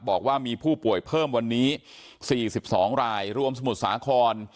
บอกว่ามีผู้ป่วยเพิ่มวันนี้๔๒รายรวมสมุทรสาคร